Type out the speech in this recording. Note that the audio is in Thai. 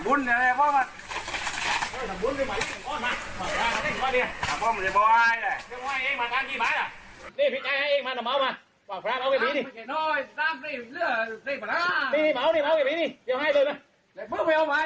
ผู้ชมครับท่าน